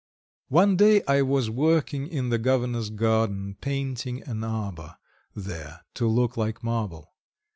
One day I was working in the Governor's garden, painting an arbour there to look like marble.